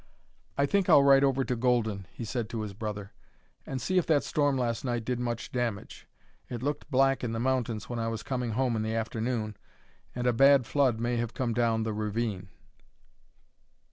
"I think I'll ride over to Golden," he said to his brother, "and see if that storm last night did much damage. It looked black in the mountains when I was coming home in the afternoon, and a bad flood may have come down the ravine."